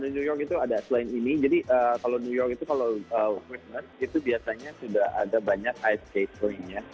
new york itu ada selain ini jadi kalau new york itu kalau worldness itu biasanya sudah ada banyak ice case point nya